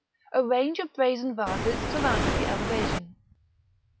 A range of brazen vases surrounded the elevation.